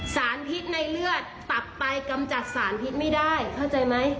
สารพิษในเลือดตับไปกำจัดสารพิษไม่ได้เข้าใจไหม